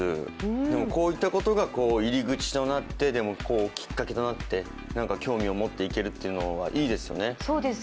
でもこういったことが入り口となってでもきっかけとなって興味を持って行けるっていうのはいいですよね。